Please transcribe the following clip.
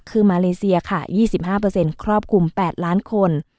คือมาเลเซียค่ะยี่สิบห้าเปอร์เซ็นต์ครอบคลุมแปดล้านคน